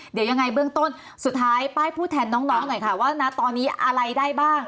เดี๋ยวยังไงเบื้องต้นสุดท้ายป้ายพูดแทนน้องหน่อยค่ะว่านะตอนนี้อะไรได้บ้าง